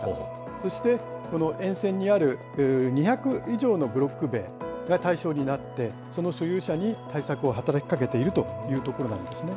そしてこの沿線にある２００以上のブロック塀が対象になって、その所有者に対策を働きかけているというところなんですね。